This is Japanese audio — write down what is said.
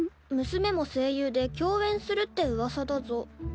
「娘も声優で、共演するって噂だぞ」。